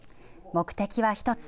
目的は一つ。